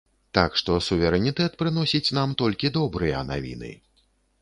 Так што суверэнітэт прыносіць нам толькі добрыя навіны.